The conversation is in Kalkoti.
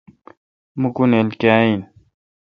موکونلئہ کاں این